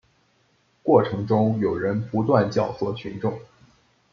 过程中有人不断教唆群众